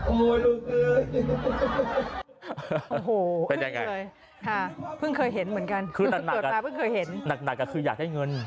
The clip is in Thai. โอ้โหเป็นยังไงถ้าเพิ่งเคยเห็นเหมือนกันนักอ่ะคืออยากให้เงิน